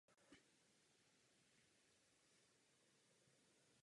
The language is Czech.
Po tomto roce nejsou již o něm žádné zprávy.